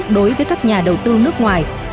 đối với các nhà đầu tư nước ngoài